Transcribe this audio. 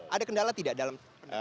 ada kendala tidak dalam